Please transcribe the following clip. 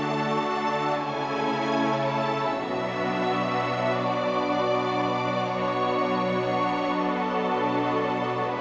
yang sacred makasih ya wak